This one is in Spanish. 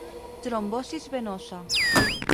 Trombosis venosa.